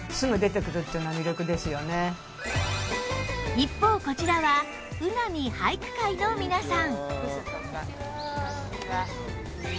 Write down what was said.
一方こちらは卯浪俳句会の皆さん